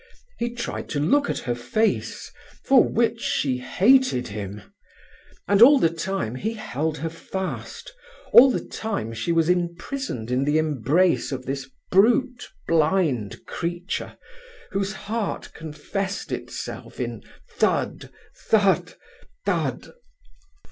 He tried to look at her face, for which she hated him. And all the time he held her fast, all the time she was imprisoned in the embrace of this brute, blind creature, whose heart confessed itself in thud, thud, thud.